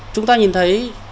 chúng ta nhìn thấy